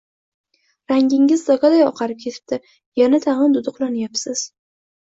— Rangingiz dokaday oqarib ketibdi? Yana-tag‘in, duduqlanyapsiz?